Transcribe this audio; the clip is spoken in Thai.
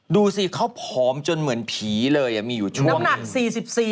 ดูสิเขาผอมจนเหมือนผีเลยอ่ะมีอยู่ช่วงนี้